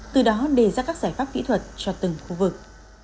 từ đó đề ra các giải pháp kỹ thuật cho từng khu vực